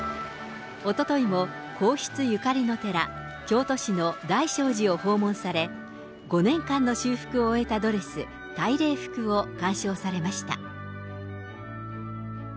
おとといも、皇室ゆかりの寺、京都市の大聖寺を訪問され、５年間の修復を終えたドレス、大礼服を鑑賞されました。